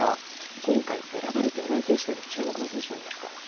今回選ばれていない選手での注目の選手はいますか？